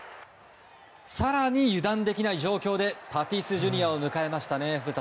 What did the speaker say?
更に油断できない状況でタティスＪｒ．を迎えましたね。